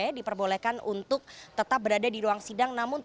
boleh diperbolehkan untuk tetap berada di ruang sidang holde